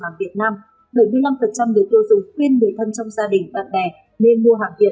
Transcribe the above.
bảy mươi năm người tiêu dùng khuyên người thân trong gia đình bạn bè nên mua hàng tiện